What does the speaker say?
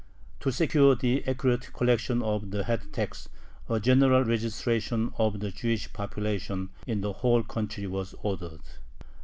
To secure the accurate collection of the head tax, a general registration of the Jewish population in the whole country was ordered.